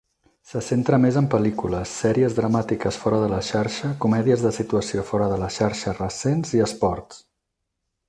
Se centra més en pel·lícules, sèries dramàtiques fora de la xarxa, comèdies de situació fora de la xarxa recents i esports.